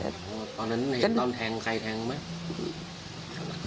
แต่พอตอนนั้นเห็นตอนแทงใครแทงไหม